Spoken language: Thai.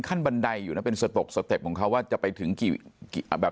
ขั้นบันดัยอยู่น่ะเป็นสตกสตกเขาว่าจะไปถึงกี่แบบ